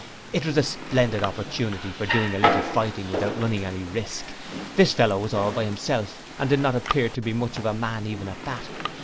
It was a splendid opportunity of doing a little fighting without running any risks. This fellow was all by himself, and did not appear to be much of a man even at that.